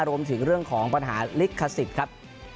รวมถึงเรื่องของปัญหาลิขสิทธิ์ครับ